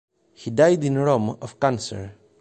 He died in Rome of cancer.